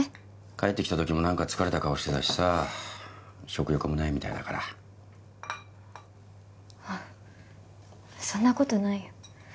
帰ってきた時も何か疲れた顔してたしさ食欲もないみたいだからあっそんなことないよ